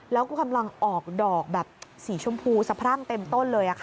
แล้วก็กำลังออกดอกแบบสีชมพูสะพรั่งเต็มต้นเลย